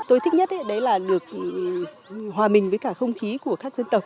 tôi thích nhất là được hòa bình với không khí của các dân tộc